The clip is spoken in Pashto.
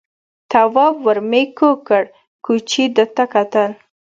تواب ور مېږ کوږ کړ، کوچي ده ته کتل.